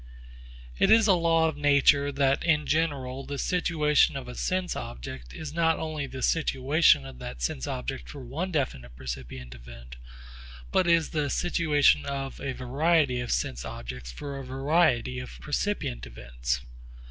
It is a law of nature that in general the situation of a sense object is not only the situation of that sense object for one definite percipient event, but is the situation of a variety of sense objects for a variety of percipient events.